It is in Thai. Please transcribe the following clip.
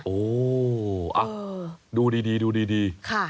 โอ้อออดูดีดูดีค่ะ